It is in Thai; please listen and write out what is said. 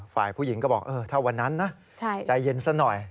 ฝ่ายผู้หญิงก็บอกถ้าวันนั้นนะใจเย็นซะหน่อย